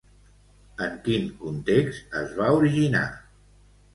En quin context es va originar?